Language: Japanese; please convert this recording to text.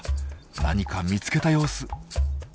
何か見つけた様子。